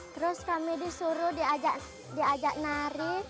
terus kami disuruh diajak nari